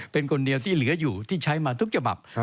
เป็นคนเดียวที่เหลืออยู่ที่ใช้มาทุกฉบับ